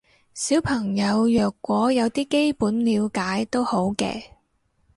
小朋友若果有啲基本了解都好嘅